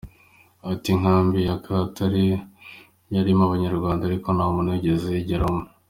Ati “ Inkambi ya Katare yari irimo Abanyarwanda ariko nta muntu wigeze ayigeramo.